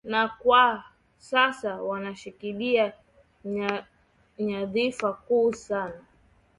na kwa sasa wanashikilia nyadhifa kuu sana